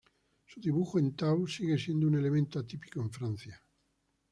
Su dibujo en tau sigue siendo un elemento atípico en Francia.